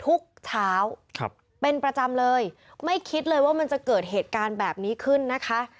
ทุกเช้าเป็นประจำเลยไม่คิดเลยว่ามันจะเกิดเหตุการณ์แบบนี้ขึ้นนะคะ